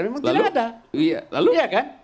memang tidak ada